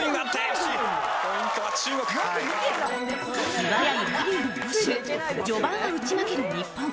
素早いラリーの応酬序盤は打ち負ける日本。